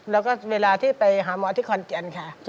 แล้วก็เวลาที่ไปหาหมอที่ขอนแก่นค่ะ